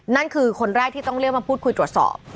นั่นคือคนแรกที่ต้องเรียกมาพูดคุยตรวจสอบ